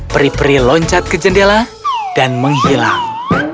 peri peri loncat ke jendela dan menghilang